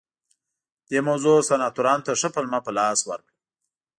دې موضوع سناتورانو ته ښه پلمه په لاس ورکړه